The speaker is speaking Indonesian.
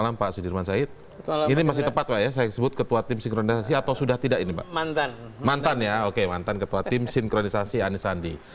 mantan ya oke mantan ketua tim sinkronisasi anisandi